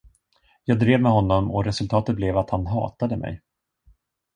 Jag drev med honom och resultatet blev att han hatade mig.